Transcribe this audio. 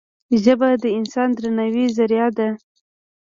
ژبه د انسان د درناوي زریعه ده